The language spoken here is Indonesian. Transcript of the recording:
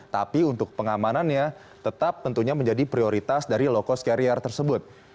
tapi untuk pengamanannya tetap tentunya menjadi prioritas dari low cost carrier tersebut